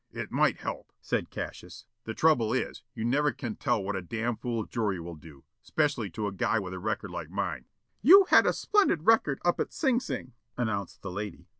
"It might help," said Cassius. "The trouble is, you never can tell what a damn' fool jury will do, 'specially to a guy with a record like mine." "You had a splendid record up at Sing Sing," announced the lady.